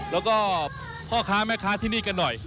แล้วก็พ่อค้าแม่ค้าที่นี่กันหน่อย